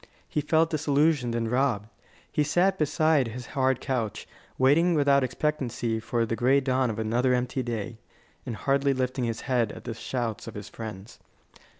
He felt disillusioned and robbed. He sat beside his hard couch, waiting without expectancy for the gray dawn of another empty day, and hardly lifting his head at the shouts of his friends.